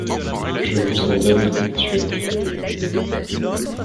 Je vous en donne lecture.